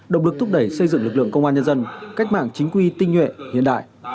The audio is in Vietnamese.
động lực thúc đẩy xây dựng lực lượng công an nhân dân cách mạng chính quy tinh nhuệ hiện đại